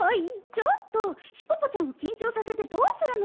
ちょっとヒポポちゃんをきんちょうさせてどうするの！